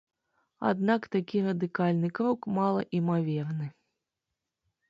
Аднак такі радыкальны крок малаімаверны.